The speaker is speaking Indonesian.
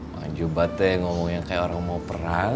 wajib banget teh ngomong yang kayak orang mau perang